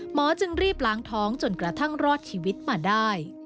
จึงรีบล้างท้องจนกระทั่งรอดชีวิตมาได้